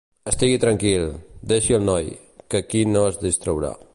Estigui tranquil, deixi el noi, que aquí no es distraurà.